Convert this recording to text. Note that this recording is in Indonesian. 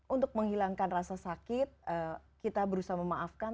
untuk menghilangkan rasa sakit kita berusaha memaafkan